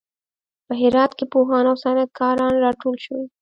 په هرات کې پوهان او صنعت کاران راټول شول.